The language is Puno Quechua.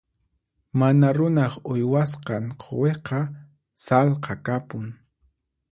Mana runaq uywasqan quwiqa sallqa kapun.